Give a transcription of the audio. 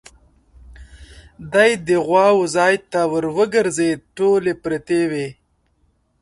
دی د غواوو ځای ته ور وګرځېد، ټولې پرتې وې.